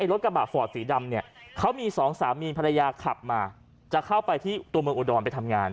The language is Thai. รถกระบาดฝอดสีดำเขามี๒๓มีนภรรยาขับมาจะเข้าไปที่ตัวเมืองอุดรไปทำงาน